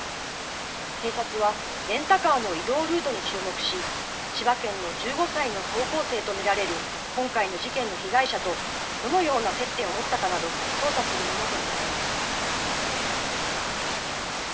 警察はレンタカーの移動ルートに注目し、千葉県の１５歳の高校生と見られる今回の事件の被害者とどのような接点を持ったかなど捜査するものと見られます。